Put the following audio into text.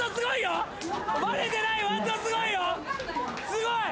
すごい！